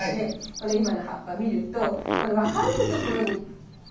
この今の葉っぱ見るとこの分かれるところにちょっとよく見て。